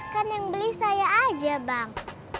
kan yang beli saya aja bang